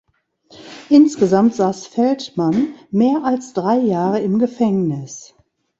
Insgesamt saß Feldmann mehr als drei Jahre im Gefängnis.